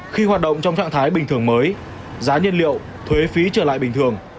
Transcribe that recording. khi hoạt động trong trạng thái bình thường mới giá nhân liệu thuế phí trở lại bình thường